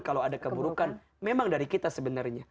kalau ada keburukan memang dari kita sebenarnya